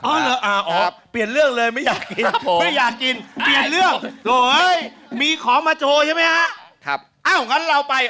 พี่อาจเปลี่ยนเรื่องเลยไม่กรุงของไม่อยากกินแปดเล่าหน่อยมีของมาโชว์ไหมครับครับมาเล้าไป